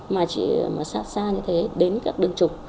mà chỉ xót xa như thế đến các đường trục